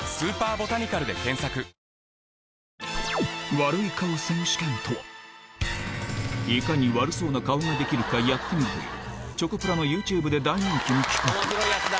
「悪い顔選手権」とはいかに悪そうな顔ができるかやってみるというチョコプラのＹｏｕＴｕｂｅで大人気の企画面白いやつだ。